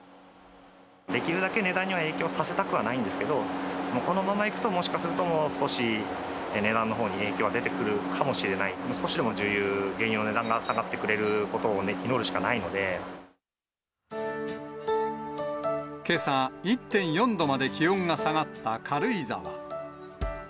できるだけ値段には影響させたくはないんですけど、このままいくと、もしかするともう少し、値段のほうに影響が出てくるかもしれない、少しでも重油・原油の値段が下がってくれることを祈るしかないのけさ、１．４度まで気温が下がった軽井沢。